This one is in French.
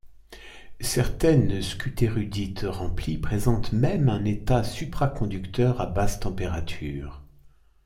Certaines skuttérudites remplies présentent même un état supraconducteur à basse température.